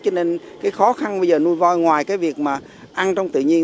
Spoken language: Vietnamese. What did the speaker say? cho nên khó khăn nuôi voi ngoài việc ăn trong tự nhiên